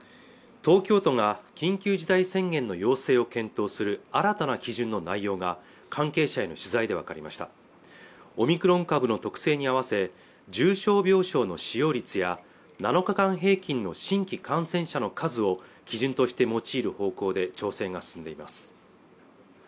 東京都が緊急事態宣言の要請を検討する新たな基準の内容が関係者への取材で分かりましたオミクロン株の特性に合わせ重症病床の使用率や７日間平均の新規感染者の数を基準として用いる方向で調整が進んでいます